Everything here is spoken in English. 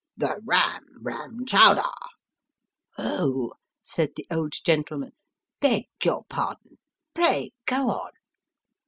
" The Ram Ram Chowdar " Oh !" said the old gentleman, " I beg your pardon ; pray go on."